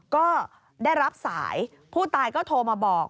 ก็ได้รับสายผู้ตายก็โทรมาบอก